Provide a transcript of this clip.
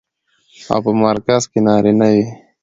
او په مرکز کې يې نارينه وي.